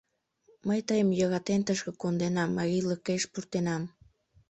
— Мый тыйым, йӧратен, тышке конденам, марийлыкеш пуртынем.